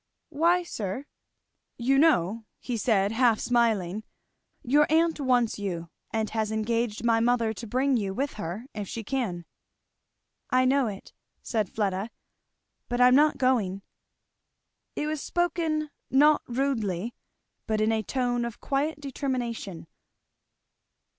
"Why, sir?" "You know," said he half smiling, "your aunt wants you, and has engaged my mother to bring you with her if she can." "I know it," said Fleda. "But I am not going." It was spoken not rudely but in a tone of quiet determination.